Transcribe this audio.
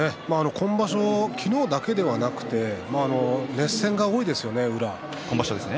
今場所は昨日だけでなくて熱戦が多いですよね。